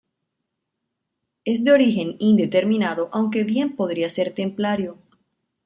Es de origen indeterminado aunque bien podría ser templario.